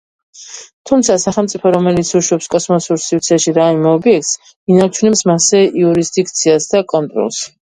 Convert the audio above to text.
თუმცა, სახელმწიფო, რომელიც უშვებს კოსმოსურ სივრცეში რაიმე ობიექტს, ინარჩუნებს მასზე იურისდიქციას და კონტროლს.